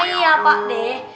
iya pak deh